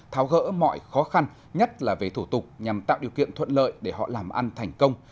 tháo gỡ mọi khó khăn nhất là về thủ tục nhằm tạo điều kiện thuận lợi để họ làm ăn thành công